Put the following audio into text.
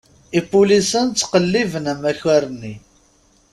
Ipulisen ttqelliben amakar-nni.